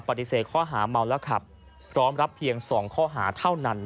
ปฏิเสธข้อหาเมาแล้วขับพร้อมรับเพียง๒ข้อหาเท่านั้น